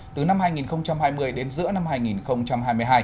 từ năm hai nghìn hai mươi đến giữa năm hai nghìn hai mươi hai